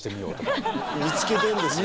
見つけてんですね？